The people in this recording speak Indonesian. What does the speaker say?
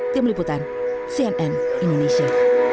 tim liputan cnn indonesia